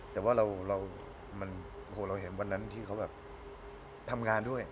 แต่ว่าเราเห็นวันนั้นที่เขาแบบทำงานด้วย